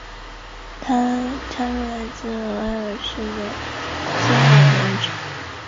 他加入来自威尔士的自由党人的团体。